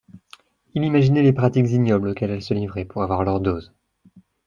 il imaginait les pratiques ignobles auxquelles elles se livraient pour avoir leur dose.